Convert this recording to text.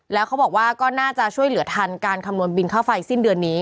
แล้วเขาบอกว่าก็น่าจะช่วยเหลือทันการคำนวณบินค่าไฟสิ้นเดือนนี้